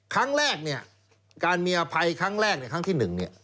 ครั้งแรกเนี่ยการมีอภัยครั้งแรกในครั้งที่๑เนี่ย